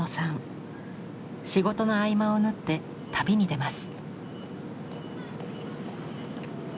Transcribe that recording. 仕事の合間を縫って旅に出ます。